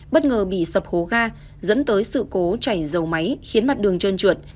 bất ngờ bị sập hố ga dẫn tới sự cố chảy dầu máy khiến mặt đường trơn trượt